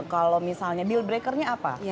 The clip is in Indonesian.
kalau misalnya deal breaker nya apa